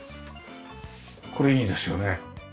これいいですよね。